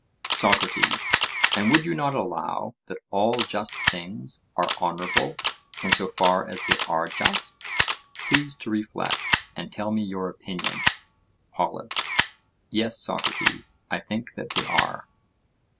SOCRATES: And would you not allow that all just things are honourable in so far as they are just? Please to reflect, and tell me your opinion. POLUS: Yes, Socrates, I think that they are.